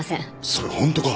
それホントか？